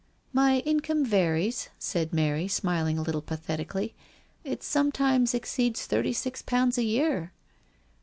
"—" My income varies," said Mary, smiling a little pathetically. "It sometimes exceeds thirty six pounds a year."